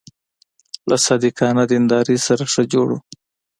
له صادقانه دیندارۍ سره ښه جوړ و.